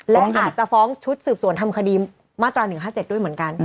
และอาจจะฟ้องชุดสืบสวนทำคดีมาตรา๑๕๗ด้วยเหมือนกัน